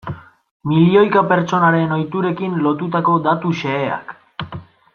Milioika pertsonaren ohiturekin lotutako datu xeheak.